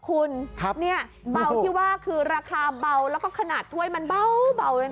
คุณเนี่ยเบาที่ว่าคือราคาเบาแล้วก็ขนาดถ้วยมันเบาเลยนะ